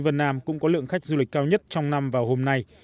vân nam cũng có lượng khách du lịch cao nhất trong năm vào hôm nay